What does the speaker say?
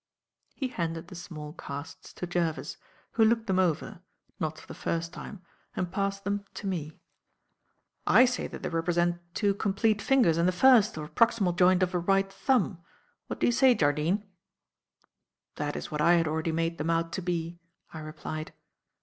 He handed the small casts to Jervis, who looked them over not for the first time and passed them to me. "I say that they represent two complete fingers and the first, or proximal, joint of a right thumb. What do you say, Jardine?" "That is what I had already made them out to be," I replied.